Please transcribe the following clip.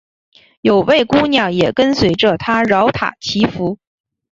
有位姑娘也跟随着他饶塔祈福。